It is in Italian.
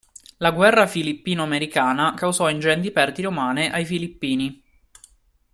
La Guerra filippino-americana causò ingenti perdite umane ai filippini.